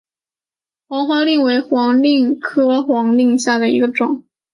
黄花蔺为花蔺科黄花蔺属下的一个种。